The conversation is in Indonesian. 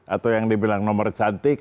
atau yang dibilang nomor cantik